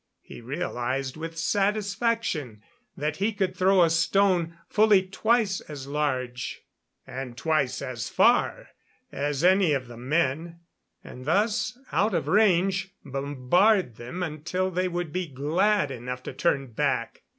He realized with satisfaction that he could throw a stone fully twice as large and twice as far as any of the men, and thus, out of range, bombard them until they would be glad enough to turn back.